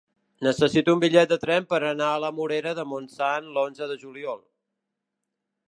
Necessito un bitllet de tren per anar a la Morera de Montsant l'onze de juliol.